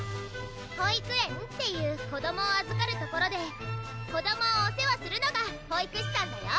保育園っていう子どもをあずかる所で子どもをお世話するのが保育士さんだよ